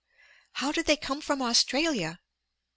"How did they come from Australia?"